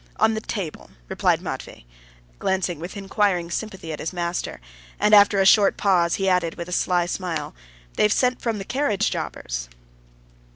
"On the table," replied Matvey, glancing with inquiring sympathy at his master; and, after a short pause, he added with a sly smile, "They've sent from the carriage jobbers."